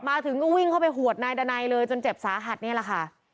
มาถึงก็วิ่งเข้าไปหวดนายดันัยเลยจนเจ็บสาหัสนี่แหละค่ะ